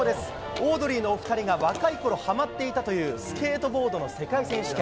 オードリーのお２人が若いころはまっていたというスケートボードの世界選手権。